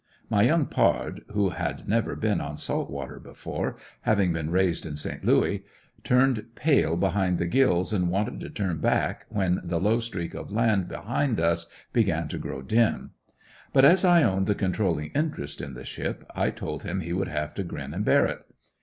My young pard, who had never been on salt water before, having been raised in Saint Louis, turned pale behind the gills and wanted to turn back when the low streak of land behind us began to grow dim. But as I owned the controlling interest in the ship, I told him he would have to grin and bear it.